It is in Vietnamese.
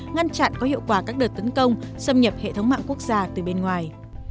ngăn chặn có hiệu quả các đợt tấn công xâm nhập hệ thống mạng quốc gia từ bên ngoài